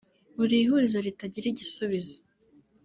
uri ihurizo ritagira igisubizo